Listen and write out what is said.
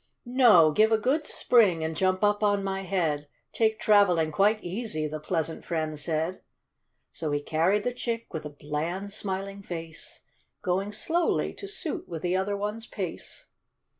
"No! give a good spring, and jump up on my head; Take travelling quite easy," the pleasant friend said. So he carried the chick with a bland, smiling face, Going slowly, to suit with the other one's pace.